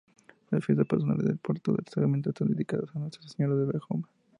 Las fiestas patronales de Puerto de Sagunto están dedicadas a Nuestra Señora de Begoña.